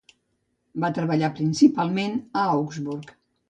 Va treballar principalment a Augsburg.